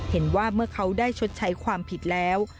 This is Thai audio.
เห็นว่าเมื่อเขาได้ชดใช้ความผิดแล้ว